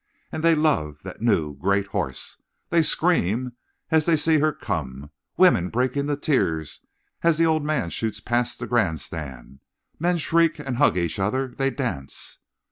And they love that new, great horse. They scream as they see her come. Women break into tears as the old man shoots past the grand stand. Men shriek and hug each other. They dance.